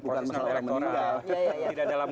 proses non elektoral tidak dalam